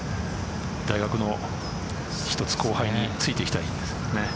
大学の１つ後輩についていきたいですよね。